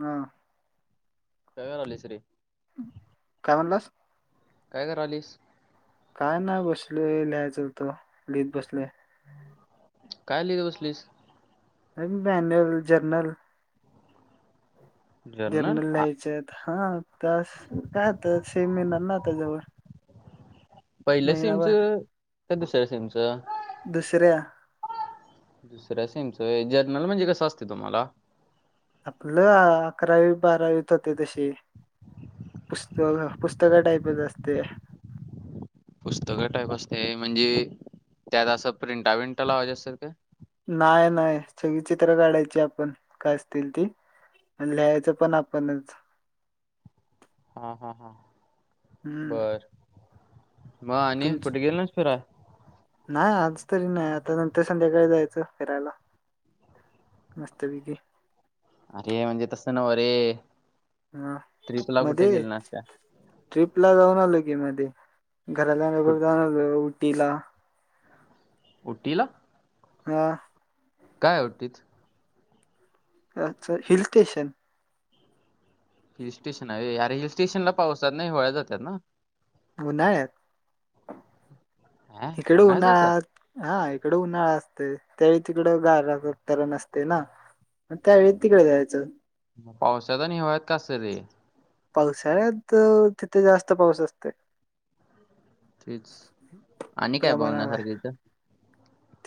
हा काय करायलायस रे काय म्हणलास? काय करायलयस? काय ना बसलोय लिहायच होत लिहित बसलोय. काय लित बसलयस? अ बॅनल जर्नल जर्नल लिहायचत. हा त्यास काय होतय सेम येणार ना त्याच्यावर पहिल्या सीमच का दुसऱ्या सीमच? त दुसऱ्या दुसर्या सीमचे व्हय जर्नल म्हणजे कसं असतं तुम्हाला? आपलं अकरावी बारावीत होते तशे पुस्त पुस्तक टाईपच असते. पुस्तका टाईप असते म्हणजे त्यात असं प्रिंटा बिंटा लावायच्या असतात का? नाही नाही सगळी चित्र काढायची आपण काय असतील ती अन लिहायचं पण आपणच हा हा हा हम्म बर. म आणि कुठे गेले नाहीस फिरा. हा आज तरी नाही आता नंतर संध्याकाळी जायचं फिरायला मस्त पैकी अरे म्हणजे तसं नव्ह रे हा ट्रिपला कुठे मध्ये गेल नास का ट्रिप ला जाऊन आलोय. की मध्ये घराला कुठ [unintelligible] जा. तिला उटीला? हा. काय आवडतीत? अच्छा हिल स्टेशन? हिल स्टेशन आहे व्हय अरे हिल स्टेशनला पाऊसात नाही होळ्या जातात ना? उन्हाळ्यात हा इकडे उन्हाळ्यात जातात उन्हाळा हा इकड उन्हाळा अस. तरी त्यावेळी तिकडं गार तरण नसते ना? मग त्या वेळी तिकडे जायचं. पावसाचा निवांत असत ते. पावसाळ्यात तिथे जास्त पाऊस असते. तेच आणि काय प्रमाणावर बघण्यासारखं हिथं?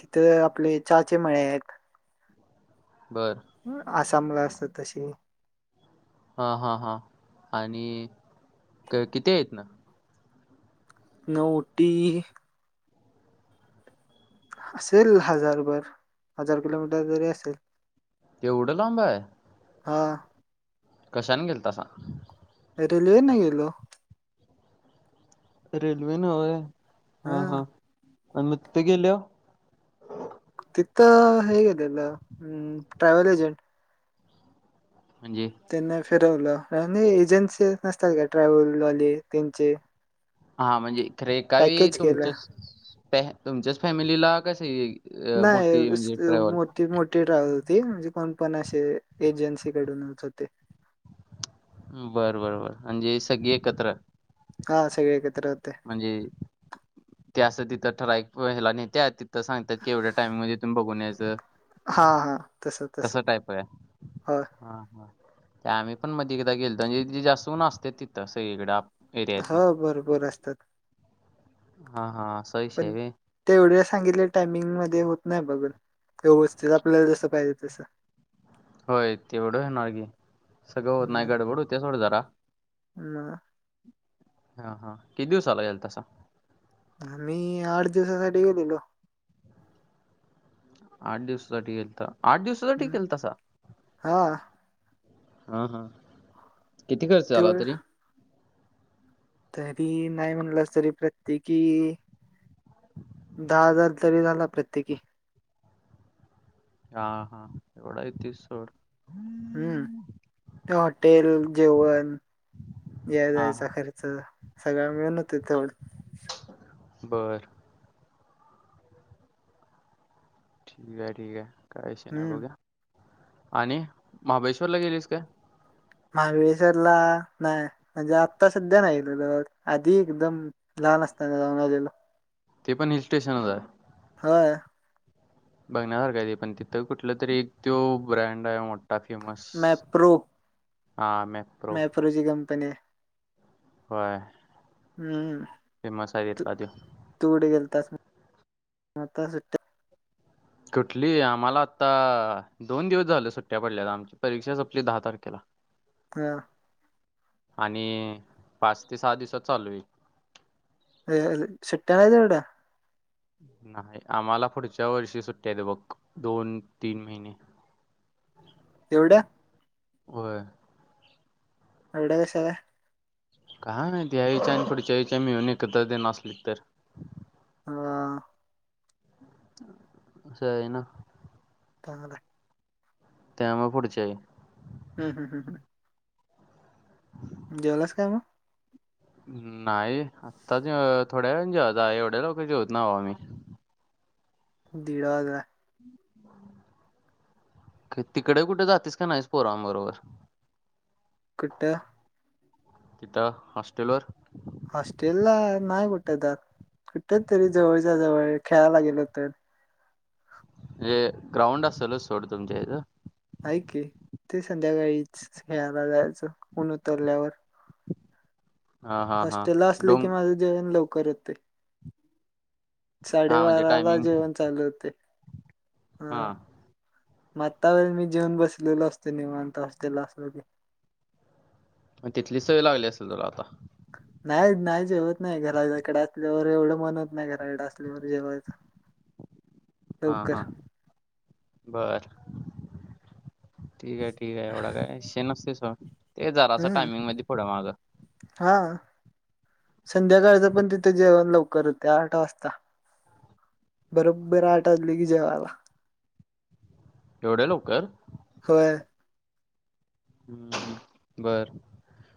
तिथे आपले चाहाचे मळे आहेत. बरं. आसामला असत्यास तशी. हा हा हा आणि कं किती हाय मग? न उटी. असेल हजारभर हजार किलोमीटर तरी असेल. तेवढं लांब हाय? हा. कशानं गेलतासा? रेल्वे नं गेलो. रेल्वे नं होय. हा हा. आणि मं तिथं गेल्याव तिथं हे केलेलं ट्रॅव्हल एजन्ट. म्हणजे फिरवलं आणि एजन्सी नसत्यात काय ट्रॅव्हल वाले त्यांचे हा म्हणजे खर एका वेळी पॅकेज केलं. तुमचेच. [unintelligible] तुमच्याचं फॅमिलीला काय सग नाही दुस मोठी मोठीे ट्रॅव्हल होती. ते म्हणजे कोण पण असे एजन्सी कडूनचं होते. बर बर बर म्हणजे सगळी एकत्र हा सगळे एकत्र होते. म्हणजे. ते असं तिथं ठरवीक ह्याला न्हेत्यात तिथं सांगतात की एवढ्या टाइम मध्ये तुम्ही बघून यायचं हा हा तसं तस तसं टाईप आहे हो हा हा ते आम्ही पण मध्ये एकदा गेलोेतो जास्तून असते तिथं सगळीकडे ह एरियातनी बरोबर असतात हा हा असा विषय पण आहे व्हय. तेवढे सांगितले टायमिंग मध्ये नाही बघत व्यवस्थित आपल्याला जस पाहिजे तसं होय तेवड होणार की सगळं होत नाही गडबड होते सोडं जरा ना हा हा किती दिवसला गेल तसा मी आठ दिवसासाठी गेलेलो आठ दिवसासाठी गेलता आठ दिवसासाठी हम्म. गेलतासा हा हा हा किती खर्च झाला तेवढ तरी तरी नाही म्हणलंस तरी प्रत्येकी दहा हजार तरी झाला प्रत्येकी हा हा एवढा येतोय सोड हम्म हॉटेल जेवण या हा जायचा हा खर्च सगळ मिळून होते थवढ बर ठीक आहे ठीक आहे कायश नाही हम्म बोघ आणि महाबळेश्वरला गेलीस का महाबळेश्वरला नाही म्हणजे आत्ता सध्या नाहीलं आधी एकदम लहान असताना जाऊन आलेलो ते पण हिल स्टेशनच आहे हा बघण्यासारखं ते पण तिथं कुठलं तरी एक तो ब्रँड आहे मोठ काफी मस् मॅप्रो मेप्रो पणे होय हम्म फेमस आहे त तिथला त्यो. तूड गले मग आता सुट्या कुठली आम्हाला आता दोन दिवस झाल. सुट्टया पडल्यात आमची परीक्षा संपली दहा तारखेला हा आणि पाच ते सहा दिवसात चालू होईल. अ सुट्टया नाहीत एवढ्या, नाही आम्हाला पुढच्या वर्षी सुट्टया आहेत बघ दोन, तीन महिने तेवढ्या होय. एवढ्या कश्या काय? काय माहीत ह्यांच्या आणि पुढच्या महिन्याच्या मिळून एकत्र देणार असलीत तर, हा कळेना. चांगलं आहे. त्यामुळ पुढच्या वेळी हम् हम् हम् हम् जेवलास काय मग? नाही आताच थोड्या वेळान जेवायाचं एवढ्या लवकर जेवत नाही बाबा मी दीड वाजले. तिकडं कुठं जातिस काय नाही पोराण बरोबर कुठं तिथ हॉस्टेलवर हॉस्टेलला नाही कुठे त्या कुठ तरी जवळच्या जवळ खेळायला गेलो तर म्हणजे ग्राउंड असेलच सोड तुमच्या इथं, आहे कि ते संध्याकाळीच खेळायला जायचं ऊन उतरल्यावर, हा हा हा हॉस्टेलला असले की डोंग माझं जेवण लव करत हा म्हणजे साडेबारा ला टायमिंग जेवण चालू होते. हा मग आत्ता मी जेवन बसलेलो असतो निवांत होस्टेलला असलो की, मग तिथली सवय लागली असेल तुम्हाला आता नाही नाही जेवत नाही. घराकडे असल्यावर एवढं मन होत नाही. घराकडे असल्यावर जेवायचं हा लवकर हा बर ठीक आहे. ठीक आहे. एवढा काय विषय नसतोय सोड. ते जरास हम्म टायमिंग मध्ये पुढं मागं हा संध्याकाळचं पण तिथं जेवण लवकर होते. आठ वाजता बरोबर आठ वाजली कि जेवायला, एवढया लवकर होय हम्म बर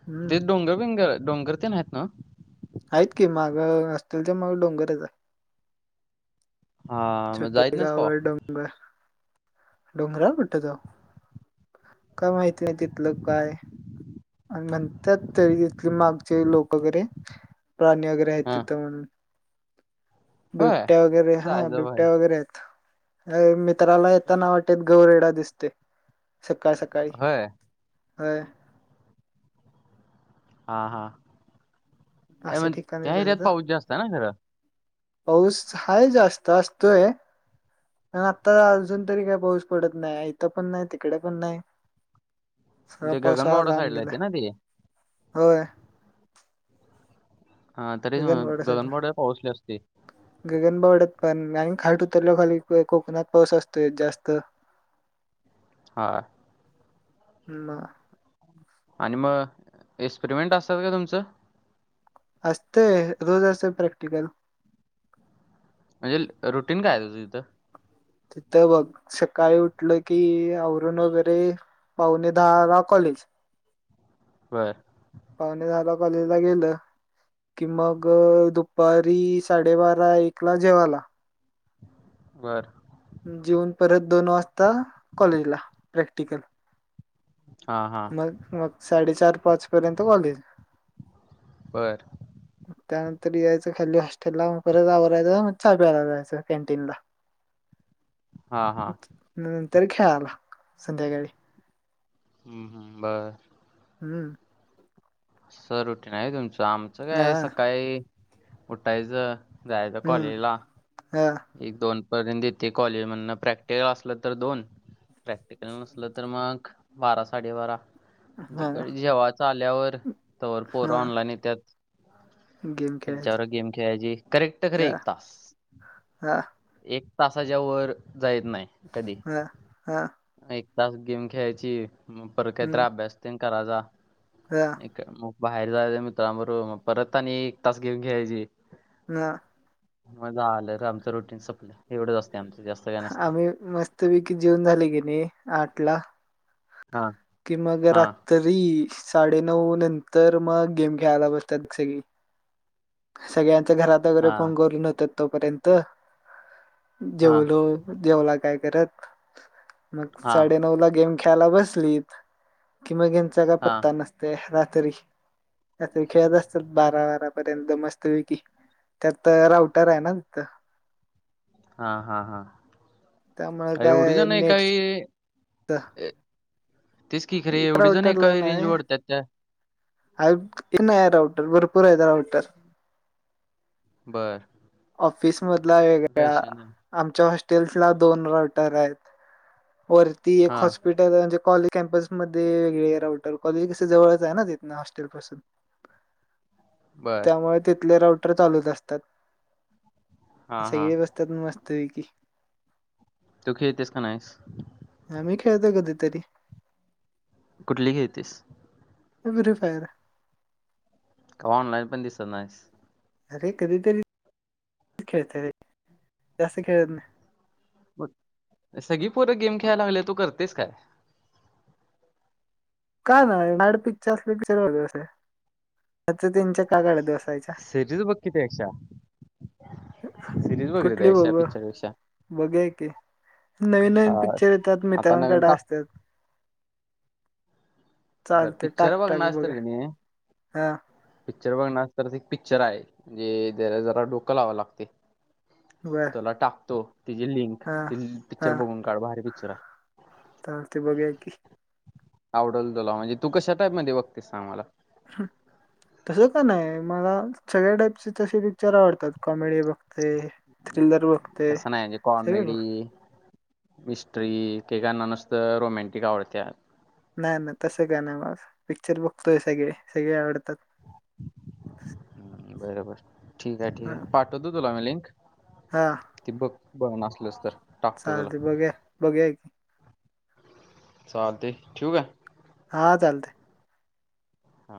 हम्म तेच डोंगर बिंगर डोंगर तेन आहेत नव्ह आहेत. की मागं असतील तर मग डोंगरच आहे. हा मग जाईत छोटे नाहीस कवा गावं डोंगर डोंगरावर पटत त काय माहिती नाही तिथलं काय म्हणतात तरी तिथले मागचे लोक वगैरे प्राणी वगैरे आहेत हा तिथं म्हणून होय बिबट्या वगैरे हा जायचं भाई बिबट्या वगैरे आहेत ह म मला येताना वाटत गौरेडा दिसते सकाळी सकाळी होय ह हा हा अ अशा म्हण ठिकाणी त्या हिऱ्यात जायचं पाऊस जास्त ना खरं पाऊस हाय जास्त असतोय पण आता अजून तरी काय पाऊस पडत नाही इथ पण नाही तिकडे पण नाही सगळा तेे गगनबावडा साईड ला येते ना ते हो हा तरी गगनबाड पोहोचली असते गगनबावड्यात पण आणि खाट उतरल खाली कोकणात पाऊस असतोय जास्त ह म आणि मग एक्सपेरिमेंट असतात का तुमचं असतेय रोज अस प्रॅक्टिकल म्हणजे रुटीन काय तुझं तिथं तिथं बघ सकाळी उठलं कि औवरण वगैरे पाहुणे दहा ला कॉलेज बर पाहणे झाला कॉलेजला गेलं कि मग दुपारी साडेबारा एक ला जेवाला घर जेऊन परत दोन वाजता कॉलेजला प्रॅक्टिकल हा हा मग मग साडेचार पाच पर्यंत कॉलेज. बर. त्यानंतर यायचं खाली हॉस्टेलला, परत आवरायचं मग चा प्याला जायचं कॅन्टीन ला. हा हा हम्म. तर खेळाला, संध्याकाळी. हम्म हम्म बर. हम्म. असं रुटीन आहे तुमचं? आमचं काय हा सकाळी उटायचं. जायचं हम्म कॉलेज ला. हा एक दोन पर्यंत येथे कॉलेज मदणं प्रॅक्टिकल असलं तर दोन, प्रॅक्टिकल नसलं तर मग बारा साडेबारा. हा तिकडे जेवाचं आल्यावर तवर पोरं हा ऑनलाइन येत्यात. गेम खेळायचे. त्यांच्याबर गेम खेळायची करेक्ट खरं एक तास. हा. एक तासाच्या वर जाईत नाही कधी, अ, अ, ए तास गेम खेळायची मग परत कायतर हं, अभ्यास तेन कराजा. अ, एक मो बाहेर जायच मित्रांबरोबर मग परत आणि एक तास गेम खेळाची. म. म झालं र आमचं रोट टिन सपलं एवढंच अस् आम्ही मस्त विकी जेवून झाली की नाही, आठ ला हां कि मग हां रातरी साडेनऊ नंतर मग गेम खेळायला बसत्यात सगळी, सगळ्यां च्या घरात वैगरे हां फोन करून येत्यात. तोपर्यंत हां जेवलो, जेवला काय? करत मग हां साडे नऊला गेम खेळायला बसलीत कि मघ येंचा काय हां पत्ता नसते तरी रात्री खेळत असत्यात बारा बारापर्यंत मस्तपैकी, त्यात तर राउटर आहे ना तिथ हा हा हा त्यामुळे काय नेटच ऐ तेच की खरे एक एवढी जण एकावेळी रेंज वाेढत्यात त्या हाय एक नाहीय राउटर भरपूर आहेत राउटर बअर ऑफिस मधला येगळा, आमच्या हॉस्टेल हॉटेल्सला दोन राऊटर हायत. वरती एक हां हॉस्पिटल [unintelligible] म्हणजे कॉलेज कॅम्पस मध्ये वेगळे राऊटर, कॉलेज कस जवळच आहे ना तिथून हॉस्टेल पासून. बर त्यामुळे तिथले राउटर. चालवत असतात. हां हां सगळे बसतात मस्त. मस्त पैकी. तू खेळतोयस का नाहीस? आम्ही खेळतो कधीतरी. कुठली खेळतीस? आज रीफायर आहे. ऑनलाईन पण दिसत नाहीस. अरे, कधीतरी खेळतो रे, जास्त खेळत नाही. मग सगळी पोरं गेम खेळायला लागले, तू करतेस काय? काय नाय, डायरेक्ट पिक्चर अस पिक्चर बगत, बसायचं. का कडेत बसायचं, सिरीज बघ की त्यापेक्षा सिरीज बघ रे कुठली त्यापेक्षा बघू, पिक्चरपेक्षा बघूया की, नवीन-नवीन पिक्चर येतात आता नवीन मित्रांकडे टाक असतात. बरं चालते पिच्चर टाक बघणार टाक हाईस तर बघा कनी. हा. पिक्चर बघणार असलास तर पिक्चर आहे, म्हणजे जरा डोकं लावावं लागते. बर तुला टाकतो. तिची लिंक, हा ती पिक्चर बघून काढ भारी पिक्चर चार तर ते बघायकी आवडल तुला, म्हणजे तू कशा टाईप मध्ये बघतेस? सांग मला तसं का नाही, मला सगळ्या टाईपचे तसे पिक्चर आवडतात, कॉमेडी बघते, थ्रिलर बघते, तसं नाही म्हणजे सगळे बघते कॉमेडी मिस्ट्री का काना नसत रोमॅंटिक आवडत्या नाही ना तसं का नाही मग पिक्चर बघतोय सगळे सगळे आवडतात बरोबर ठीक आहे ठीक हा आहे पाठवत तलाी लिक हा बघ नसलच तर टाकतो चालते बघया बघू की चालतंय ठीूक का हा चालते हा